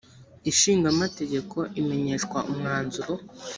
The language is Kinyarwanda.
ishinga amategeko imenyeshwa umwanzuro